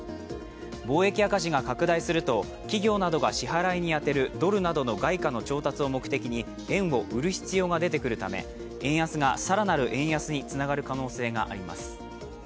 貿易赤字が拡大すると企業などが支払いに充てるドルなどの外貨の調達を目的に円を売る必要が出てくるため、円安が更なる円安につながる可能性があります。